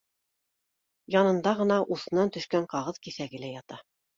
Янында ғына усынан төшкән ҡағыҙ киҫәге лә ята